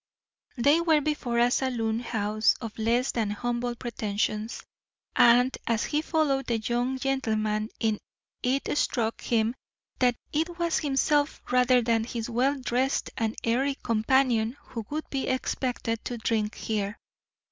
They were before a saloon house of less than humble pretensions, and as he followed the young gentleman in it struck him that it was himself rather than his well dressed and airy companion who would be expected to drink here.